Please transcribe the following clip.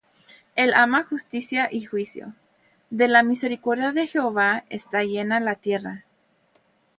El ama justicia y juicio: De la misericordia de Jehová está llena la tierra.